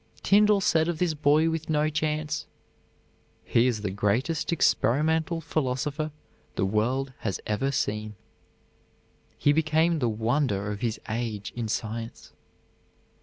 Tyndall said of this boy with no chance, "He is the greatest experimental philosopher the world has ever seen." He became the wonder of his age in science.